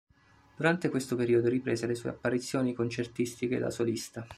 Durante questo periodo riprese le sue apparizioni concertistiche da solista.